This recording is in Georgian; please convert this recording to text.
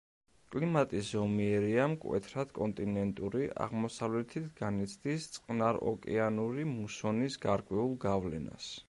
კლიმატი ზომიერია, მკვეთრად კონტინენტური, აღმოსავლეთით განიცდის წყნაროკეანური მუსონის გარკვეულ გავლენას.